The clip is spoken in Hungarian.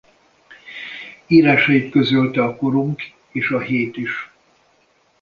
Írásait közölte a Korunk és A Hét is.